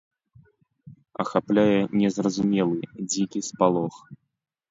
Ахапляе незразумелы, дзікі спалох.